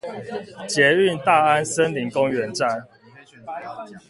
捷運大安森林公園站